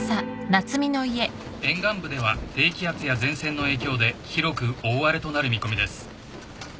沿岸部では低気圧や前線の影響で広く大荒れとなる見込みです。